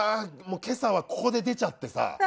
今朝はここで出ちゃってさ。